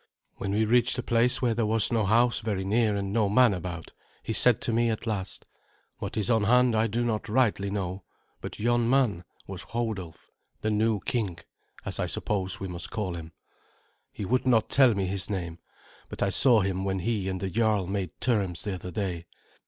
When we reached a place where there was no house very near and no man about, he said to me at last, "What is on hand I do not rightly know, but yon man was Hodulf, the new king, as I suppose we must call him. He would not tell me his name, but I saw him when he and the jarl made terms the other day.